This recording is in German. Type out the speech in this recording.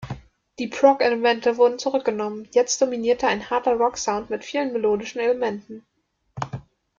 Die Prog-Elemente wurden zurückgenommen, jetzt dominierte ein harter Rocksound mit vielen melodischen Elementen.